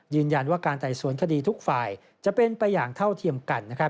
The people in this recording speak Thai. ยืนยันว่าการไต่สวนคดีทุกฝ่ายจะเป็นไปอย่างเท่าเทียมกัน